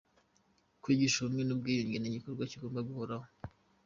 “Kwigisha ubumwe n’ubwiyunge ni igikorwa kigomba guhoraho